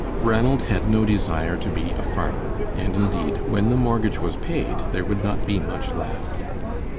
Ranald had no desire to be a farmer, and indeed, when the mortgage was paid there would not be much left.